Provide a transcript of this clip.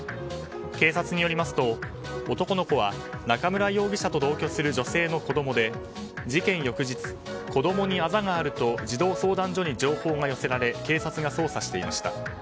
警察によりますと男の子は、中村容疑者と同居する女性の子供で事件翌日子供にあざがあると児童相談所に情報が寄せられ警察が捜査していました。